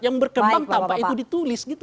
yang berkembang tanpa itu ditulis gitu